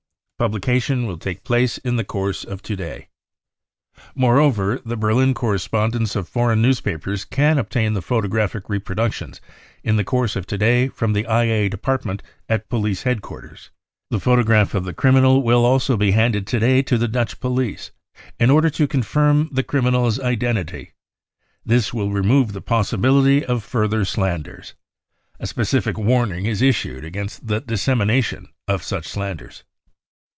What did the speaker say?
Publication will take place in the course of to day. Moreover, the Berlin corres pondents of foreign newspapers can obtain the photo graphic reproductions in the course of to day from the IA Department at police headquarters. The photo graph of the criminal will also be handed to day to the Dutch police in order to confirm the criminal's identity. This will remove the possibility of further slanders. A specific warning is issued against the dissemination of such slanders."